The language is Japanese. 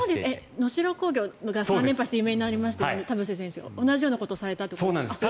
能代工業が３連覇して有名になりましたが同じようなことをされたということですか。